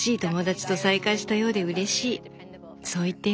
そう言っていました。